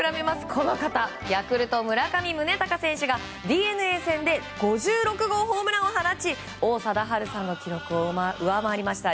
この方、ヤクルト村上宗隆選手がＤｅＮＡ戦で５６号ホームランを放ち王貞治さんの記録を上回りました。